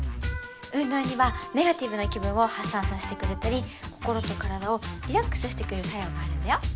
運動にはネガティブな気分を発散させてくれたり心と体をリラックスしてくれる作用があるんだよ